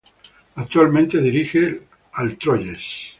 Actualmente dirige al Troyes.